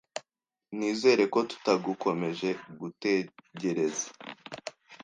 Nizere ko tutagukomeje gutegereza.